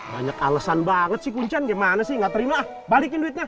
banyak alasan banget si kuncan gimana sih gak terima ah balikin duitnya